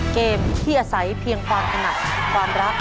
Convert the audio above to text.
เกมที่อาศัยเพียงความถนัดความรัก